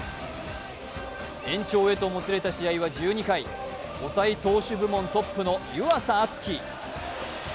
延長へともつれた試合は１２回抑え投手部門トップの湯浅京己。